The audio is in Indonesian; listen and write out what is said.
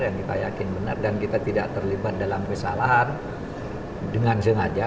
yang kita yakin benar dan kita tidak terlibat dalam kesalahan dengan sengaja